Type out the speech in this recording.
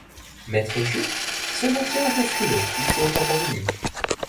Maître Jup se montrait un peu frileux, il faut en convenir.